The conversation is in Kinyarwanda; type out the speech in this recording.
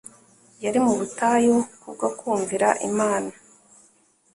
Yari mu butayu kubwo kumvira Imana,